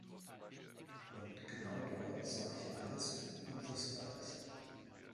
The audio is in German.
Und genau dort sah ich alles und wusste alles.